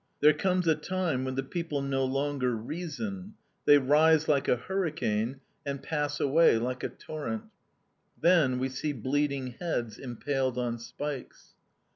There comes a time when the people no longer reason; they rise like a hurricane, and pass away like a torrent. Then we see bleeding heads impaled on pikes.